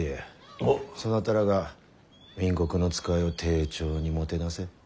そなたらが明国の使いを丁重にもてなせ。